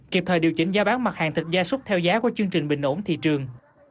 kịp thời điều chỉnh giá bán mặt hàng thịt gia súc theo giá của chương trình bình ổn thị trường